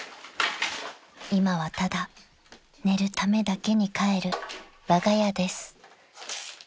［今はただ寝るためだけに帰るわが家です］